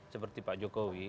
seperti pak jokowi